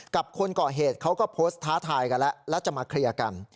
กับคนก่อเหตุเขาก็โพสต์ท้าทายกันแล้วแล้วจะมาเคลียร์กัน